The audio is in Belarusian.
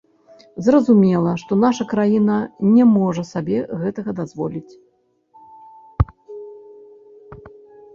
Зразумела, што наша краіна не можа сабе гэтага дазволіць.